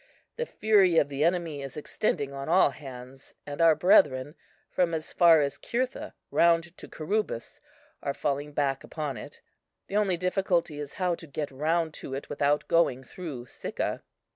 The fury of the enemy is extending on all hands, and our brethren, from as far as Cirtha round to Curubis, are falling back upon it. The only difficulty is how to get round to it without going through Sicca."